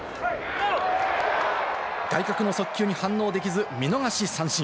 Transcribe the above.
外角の速球に反応できず見逃し三振。